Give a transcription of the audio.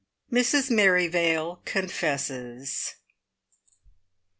MRS MERRIVALE CONFESSES.